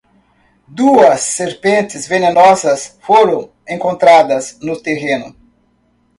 Duas serpentes venenosas foram encontradas no terreno